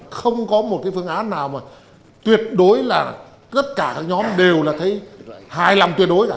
không có một cái phương án nào mà tuyệt đối là tất cả các nhóm đều là thấy hài lòng tuyệt đối cả